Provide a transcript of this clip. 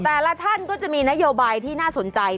แต่ละท่านก็จะมีนโยบายที่น่าสนใจ